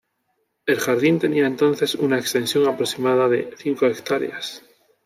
El jardín tenía entonces una extensión aproximada de cinco hectáreas.